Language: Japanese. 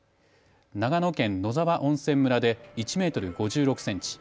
長野県野沢温泉村で１メートル５６センチ。